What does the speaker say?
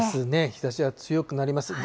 日ざしが強くなります。